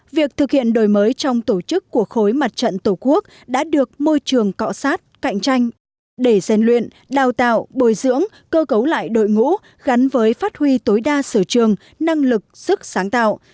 việc thực hiện đổi mới trong tổ chức của khối mặt trận tổ quốc đã được môi trường cọ sát cạnh tranh để gian luyện đào tạo bồi dưỡng cơ cấu lại đội ngũ gắn với phát huy tối đa sở trường năng lực sức sáng tạo